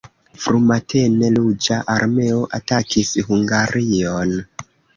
Frumatene Ruĝa Armeo atakis Hungarion.